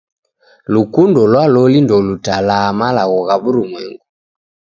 Lukundo lwa loli ndolutalaa malagho gha w'urumwengu.